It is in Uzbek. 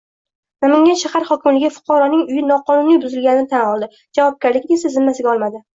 Namangan shahar hokimligi fuqaroning uyi noqonuniy buzilganini tan oldi. Javobgarlikni esa zimmasiga olmadi